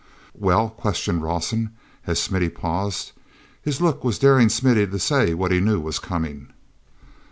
"Well?" questioned Rawson, as Smithy paused. His look was daring Smithy to say what he knew was coming.